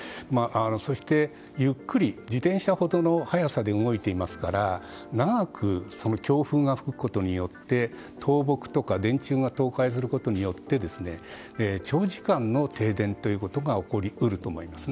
そして、ゆっくり自転車ほどの速さで動いていますから長く強風が吹くことによって倒木とか電柱が倒壊することによって長時間の停電ということが起こり得ると思います。